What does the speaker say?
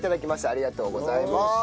ありがとうございます。